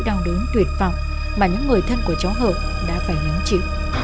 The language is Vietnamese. một lần nỗi đau đớn tuyệt vọng mà những người thân của cháu hợp đã phải nếm chịu